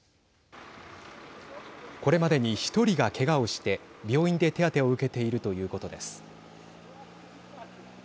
これまでに１人がけがをして病院で手当てを受けているということです。